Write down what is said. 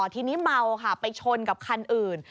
ทีนี้เมาค่ะไปชนกับคันอื่น